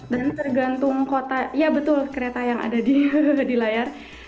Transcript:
dan tergantung kota ya betul kereta yang ada di layar